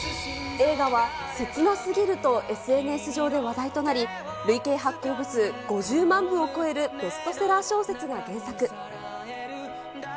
映画は切なすぎるとＳＮＳ上で話題となり、累計発行部数５０万部を超えるベストセラー小説が原作。